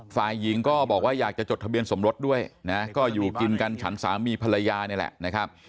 ฝ่ายหญิงก็บอกว่าอยากจะจดทะเบียนสมรสด้วยนะก็อยู่กินกันฉันสามีภรรยานี่แหละนะครับ